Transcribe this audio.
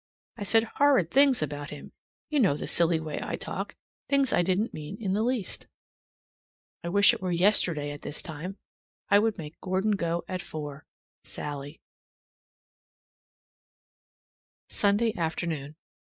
I said horrid things about him, you know the silly way I talk, things I didn't mean in the least. I wish it were yesterday at this time. I would make Gordon go at four. SALLIE. Sunday afternoon.